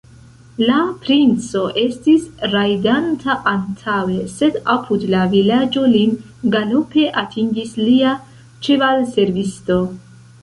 La princo estis rajdanta antaŭe, sed apud la vilaĝo lin galope atingis lia ĉevalservisto.